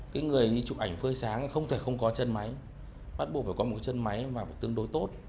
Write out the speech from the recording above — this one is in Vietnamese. cái người chụp ảnh phơi sáng không thể không có chân máy bắt buộc phải có một chân máy tương đối tốt